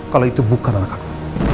kalau itu bukan anak aku